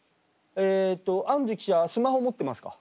えっとあんじゅ記者はスマホ持ってますか？